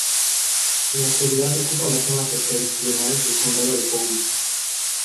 En la actualidad ocupa la zona septentrional del condado de Powys.